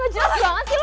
gak jelas banget sih lo